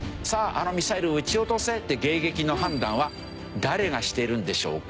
あのミサイルを撃ち落とせって迎撃の判断は誰がしてるんでしょうか？